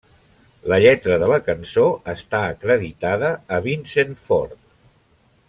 La lletra de la cançó està acreditada a Vincent Ford.